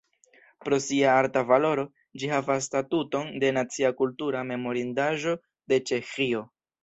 Pro sia arta valoro ĝi havas statuton de nacia kultura memorindaĵo de Ĉeĥio.